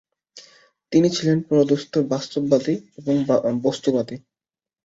তিনি ছিলেন পুরোদস্তুর বাস্তববাদী এবং বস্তুবাদী।